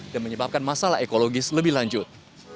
dan menyebabkan masalah ekologis lebih lanjut